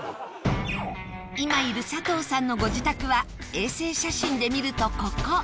今いる佐藤さんのご自宅は衛星写真で見るとここ